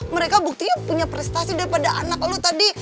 mereka buktinya punya prestasi daripada anak lu tadi